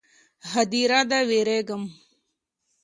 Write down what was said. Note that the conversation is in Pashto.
_ هديره ده، وېرېږم.